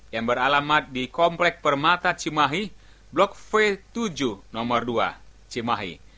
yang beralamat di komplek permata cimahi blok v tujuh nomor dua cimahi